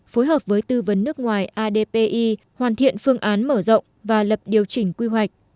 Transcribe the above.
phối hợp với tư vấn nước ngoài adpi hoàn thiện phương án mở rộng và lập điều chỉnh quy hoạch